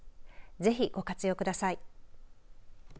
ぜひ、ご活用ください。